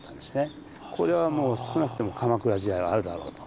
これはもう少なくとも鎌倉時代はあるだろうと。